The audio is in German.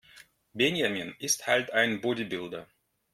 Benjamin ist halt ein Bodybuilder.